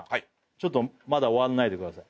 ちょっとまだ終わんないでください。